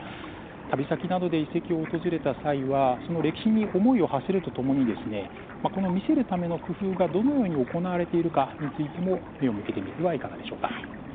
旅先などで遺跡を訪れた際はその歴史に思いをはせるとともに見せるための工夫がどのように行われているのかについても目を向けてみてはいかがでしょうか。